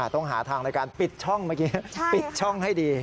ต้องหาทางในการปิดช่องเมื่อกี้ปิดช่องให้ดี